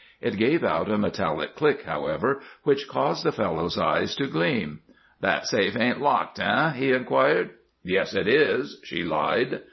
It gave out a metallic click, however, which caused the fellow's eyes to gleam. "That safe ain't locked, eh?" he inquired. "Yes, it is," she lied.